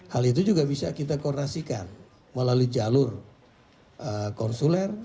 hal itu juga bisa kita koordinasikan melalui jalur konsuler